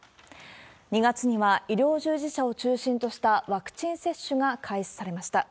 ２月には医療従事者を中心としたワクチン接種が開始されました。